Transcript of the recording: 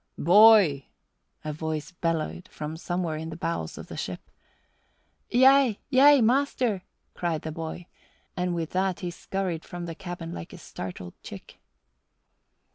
"Boy!" a voice bellowed from somewhere in the bowels of the ship. "Yea, yea, master," cried the boy, and with that he scurried from the cabin like a startled chick.